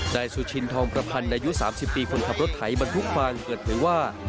นายสุชินทองประพันธ์อายุ๓๐ปีคนขับรถไถบรรทุกฟางเปิดเผยว่า